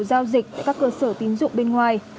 giao dịch các cơ sở tín dụng bên ngoài